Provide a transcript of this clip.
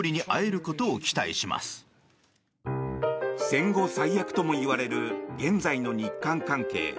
戦後最悪とも言われる現在の日韓関係。